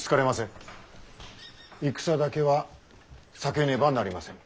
戦だけは避けねばなりません。